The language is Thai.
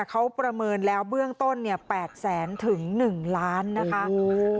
เขาประเมินแล้วเบื้องต้นเนี่ยแปดแสนถึงหนึ่งล้านนะคะ